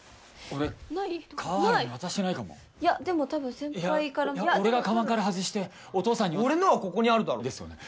俺川原に渡してないかもいやでも多分先輩から俺がカバンから外してお父さんに俺のはここにあるだろですよね